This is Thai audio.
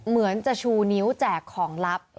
เหมือนจะชูนิ้วแจกของลับ